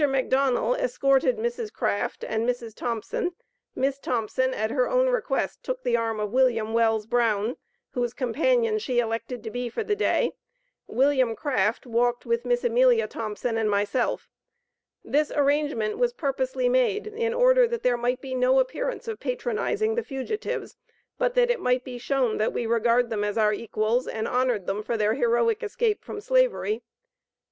McDonnell escorted Mrs. Craft, and Mrs. Thompson; Miss Thompson, at her own request, took the arm of Wm. Wells Brown, whose companion she elected to be for the day; Wm. Craft walked with Miss Amelia Thompson and myself. This arrangement was purposely made in order that there might be no appearance of patronizing the fugitives, but that it might be shown that we regarded them as our equals, and honored them for their heroic escape from Slavery.